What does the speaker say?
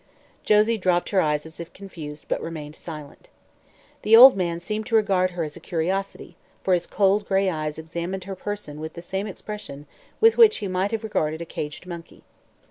Josie dropped her eyes as if confused but remained silent. The old man seemed to regard her as a curiosity, for his cold gray eyes examined her person with the same expression with which he might have regarded a caged monkey.